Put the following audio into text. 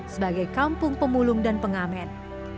sebagai kampung pemulung dan pengamen